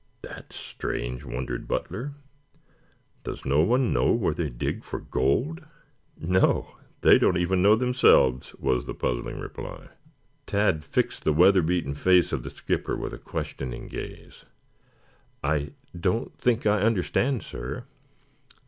"That is strange," wondered Butler. "Does no one know where they dig for gold?" "No. They don't even know themselves," was the puzzling reply. Tad fixed the weather beaten face of the skipper with a questioning gaze. "I don't think I understand, sir."